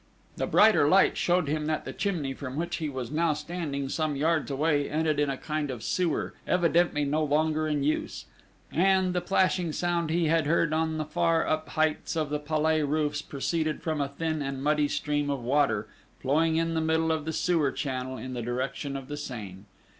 The brighter light showed him that the chimney from which he was now standing some yards away ended in a kind of sewer, evidently no longer in use; and the plashing sound he had heard on the far up heights of the Palais roofs proceeded from a thin and muddy stream of water flowing in the middle of the sewer channel in the direction of the Seine.